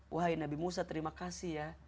wahai nabi musa terima kasih ya